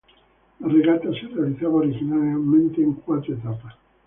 La regata se realizaba originalmente en cuatro etapas.